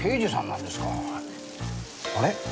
あれ？